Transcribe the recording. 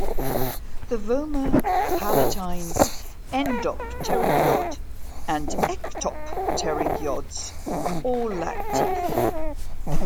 The vomer, palatines, endopterygiod, and ectopterygiods all lack teeth.